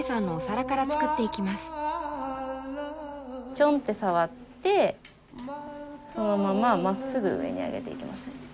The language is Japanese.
ちょんって触ってそのまままっすぐ上に上げていきます。